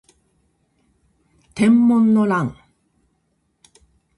天文の乱